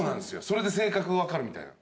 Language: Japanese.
それで性格分かるみたいな。